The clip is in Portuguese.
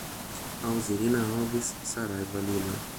Alzerina Alves Saraiva Lima